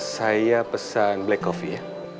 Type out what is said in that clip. saya pesan black coffee ya